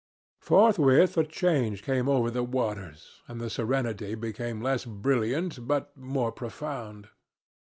Forthwith a change came over the waters, and the serenity became less brilliant but more profound.